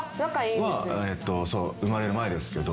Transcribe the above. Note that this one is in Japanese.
生まれる前ですけど。